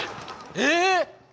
えっ？